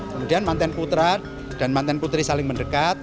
kemudian mantan putra dan mantan putri saling mendekat